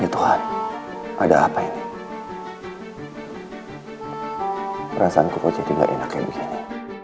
ya tuhan ada apa ini rasaku kok jadi gak enak kayak begini